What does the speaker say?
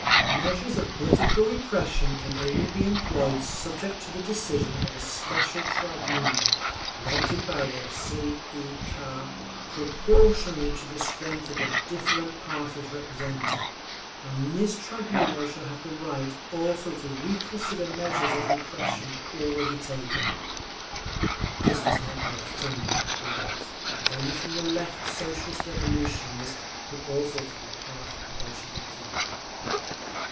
Measures of political repression can only be employed subject to decision of a special tribunal, elected by the Tsay ee kah proportionally to the strength of the different parties represented; and this tribunal shall have the right also to reconsider measures of repression already taken. This was met by a thunder of applause, not only from the Left Socialist Revolutionaries, but also from a part of the Bolsheviki.